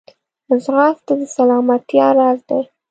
ځغاسته د سلامتیا راز دی